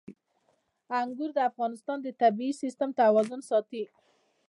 انګور د افغانستان د طبعي سیسټم توازن ساتي.